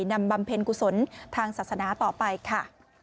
บำเพ็ญกุศลทางศาสนาต่อไปค่ะ